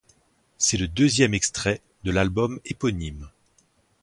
C’est le deuxième extrait de l’album éponyme.